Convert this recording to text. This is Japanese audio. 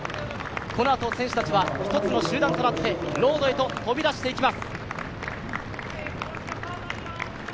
このあと選手たちは一つの集団となって、ロードへと飛び出していきます。